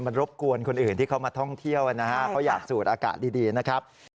มันรบกวนคนอื่นที่เขามาท่องเที่ยวนะฮะเขาอยากสูดอากาศดีนะครับ